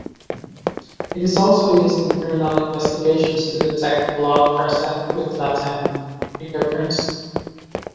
It is also used in criminal investigations to detect blood present with latent fingerprints.